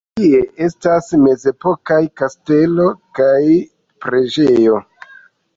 Tie estas mezepokaj kastelo kaj preĝejo.